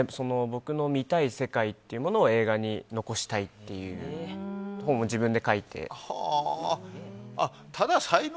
僕の見たい世界というものを映画に残したいということで本を自分で書いて。